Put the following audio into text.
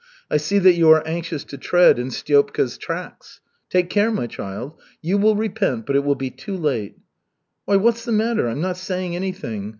"I see that you are anxious to tread in Stiopka's tracks. Take care, my child. You will repent, but it will be too late." "Why, what's the matter? I'm not saying anything.